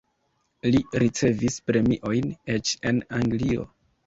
Li ricevis premiojn, eĉ en Anglio.